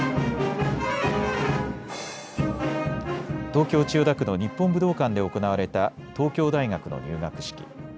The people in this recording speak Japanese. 東京千代田区の日本武道館で行われた東京大学の入学式。